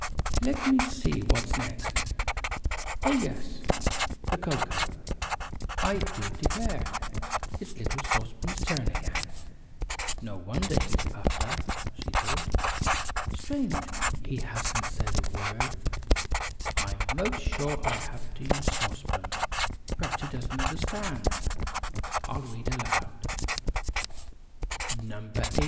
"Let me see what's next. Oh, yes, the cocoa. I do declare, it's little Sauce Pan's turn again. No wonder he's puffed up," she thought. "Strange, he hasn't said a word. I'm 'most sure I have to use Sauce Pan. Perhaps he doesn't understand. I'll read aloud: NO. 18.